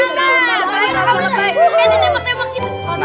eh di tembak tembak gitu